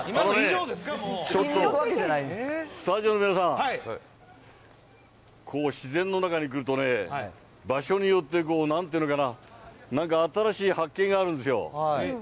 ちょっとスタジオの皆さん、自然の中に来るとね、場所によって、なんというのかな、なんか新しい発見があるんですよ。